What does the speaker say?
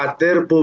maksudnya yang maju